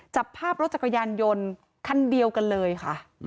จับภาพรถจักรยานยนต์คันเดียวกันเลยค่ะ